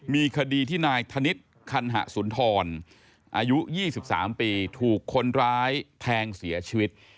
มีคดีที่นายธนิษฐ์คันหะสุนทรอายุ๒๓ปีถูกคนร้ายแทงเสียชีวิต